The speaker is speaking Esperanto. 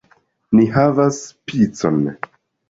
Ni havas picon!